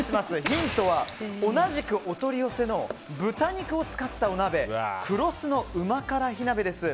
ヒントは、同じくお取り寄せの豚肉を使ったお鍋食労寿ノ旨辛火鍋です。